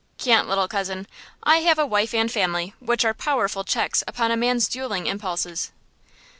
"Can't, little cousin! I have a wife and family, which are powerful checks upon a man's dueling impulses!"